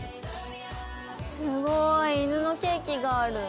すごい犬のケーキがある。